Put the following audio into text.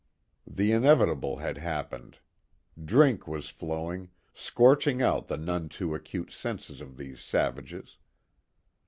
The inevitable had happened. Drink was flowing, scorching out the none too acute senses of these savages.